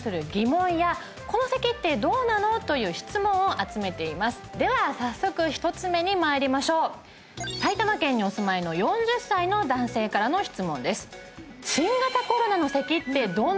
今回はですねでは早速一つ目にまいりましょう埼玉県にお住まいの４０歳の男性からの質問です